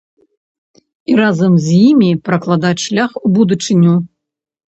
І разам з імі пракладаць шлях у будучыню.